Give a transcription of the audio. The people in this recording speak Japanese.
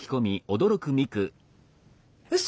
うそ！？